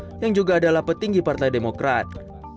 yang juga adalah petinggi partai demokrat